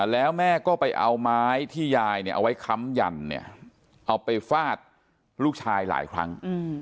แล้วแม่ก็ไปเอาไม้ที่ยายเอาไว้ค้ำยันเนี่ยเอาไปฟาดลูกชายหลายครั้ง